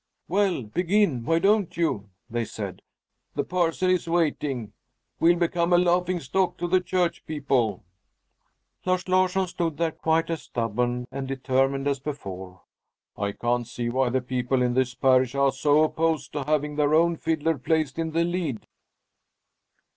"Well, begin, why don't you?" they said. "The parson is waiting. We'll become a laughing stock to the church people." Lars Larsson stood there quite as stubborn and determined as before. "I can't see why the people in this parish are so opposed to having their own fiddler placed in the lead."